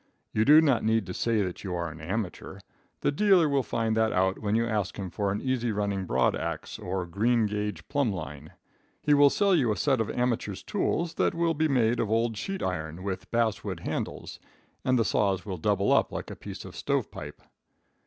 You do not need to say that you are an amateur. The dealer will find that out when you ask him for an easy running broad ax or a green gage plumb line. He will sell you a set of amateur's tools that will be made of old sheet iron with basswood handles, and the saws will double up like a piece of stovepipe.